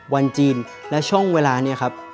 วันจีนและช่วงเวลานี้ครับ